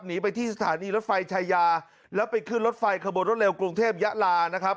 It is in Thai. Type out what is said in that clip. หนีไปที่สถานีรถไฟชายาแล้วไปขึ้นรถไฟขบวนรถเร็วกรุงเทพยะลานะครับ